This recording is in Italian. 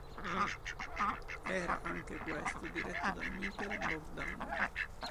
Era, anche questo, diretto da Michael Bogdanov.